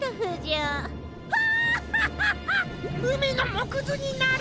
うみのもくずになる！